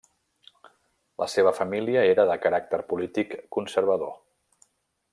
La seva família era de caràcter polític conservador.